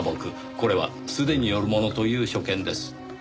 これは素手によるものという所見です。